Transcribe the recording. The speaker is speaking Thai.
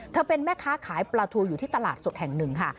เป็นแม่ค้าขายปลาทูอยู่ที่ตลาดสดแห่งหนึ่งค่ะ